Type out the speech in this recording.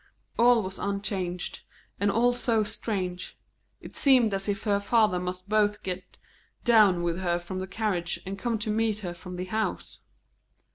All was unchanged, and all so strange; it seemed as if her father must both get down with her from the carriage and come to meet her from the house.